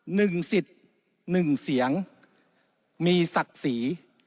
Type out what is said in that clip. หนึ่งสิทธิ์หนึ่งเสียงมีศักดิ์ศรี